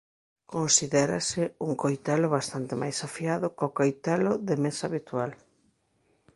Considérase un coitelo bastante máis afiado có coitelo de mesa habitual.